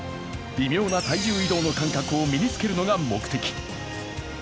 微妙な体重移動の感覚を身につけるのが目的。